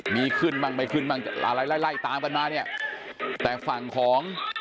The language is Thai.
มีขึ้นบ้างไม่ขึ้นบ้างอะไรไล่ไล่ตามกันมาเนี่ยแต่ฝั่งของ